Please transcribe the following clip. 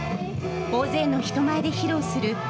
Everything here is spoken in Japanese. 大勢の人前で披露する